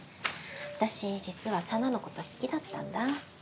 私実は沙奈のこと好きだったんだ。